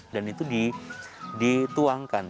dan itu dituangkan